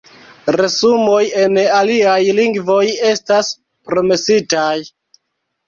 Resumoj en aliaj lingvoj estas promesitaj.